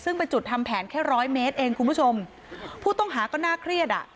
ซึ่งเป็นจุดทำแผนแค่ร้อยเมตรเองคุณผู้ชมผู้ต้องหาก็น่าเครียดอ่ะ